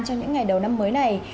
trong những ngày đầu năm mới này